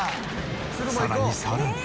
さらにさらに！